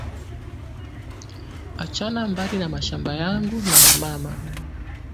Achana mbari na mashamba yangu na ya mama